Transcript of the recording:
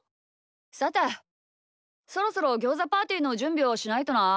さてそろそろギョーザパーティーのじゅんびをしないとな。